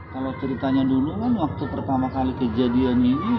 kalau ceritanya dulu kan waktu pertama kali kejadian ini